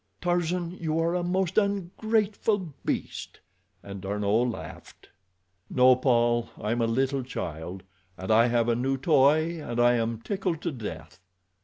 Tarzan, you are a most ungrateful beast!" and D'Arnot laughed. "No, Paul; I am a little child. I have a new toy, and I am tickled to death."